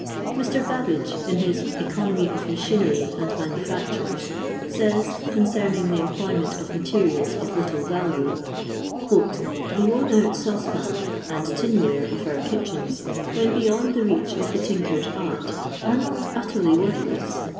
Mr. Babbage, in his " Economy of Machinery and Manufactures," says, concerning the employ ment of materials of little value :" The worn out saucepan and tin ware of our kitchens, when beyond the reach of the linkers art, are not utteily worth less.